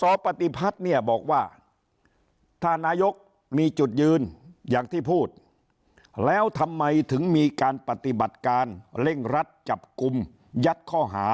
สปฏิพัฒน์เนี่ยบอกว่าถ้านายกมีจุดยืนอย่างที่พูดแล้วทำไมถึงมีการปฏิบัติการเร่งรัดจับกลุ่มยัดข้อหา